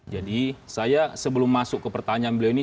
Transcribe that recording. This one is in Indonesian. jadi saya sebelum masuk ke pertanyaan beliau ini